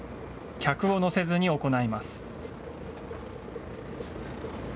客を乗せずに行います。